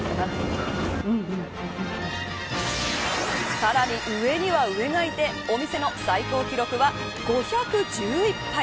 さらに、上には上がいてお店の最高記録は５１１杯。